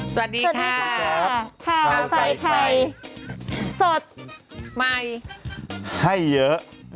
สวัสดีค่ะสวัสดีครับเราใส่ใครสดใหม่ให้เยอะ